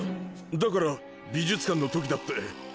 だから美術館の時だって。